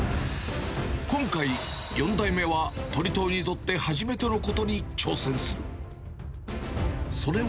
今回、４代目は鳥藤にとって初めてのことに挑戦する。